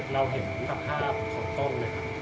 เราเห็นสภาพของต้มนะครับ